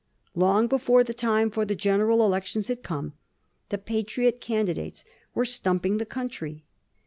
Long before the time for the general elections had come, the Patriot candidates were stumping the country.